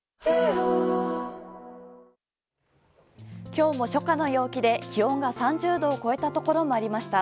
今日も初夏の陽気で気温が３０度を超えたところもありました。